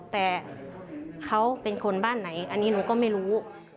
แต่เขาเป็นคนบ้านไหนอันนี้หนูก็ไม่รู้